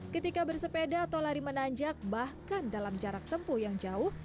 ketika bersepeda atau lari menanjak bahkan dalam jarak tempuh yang jauh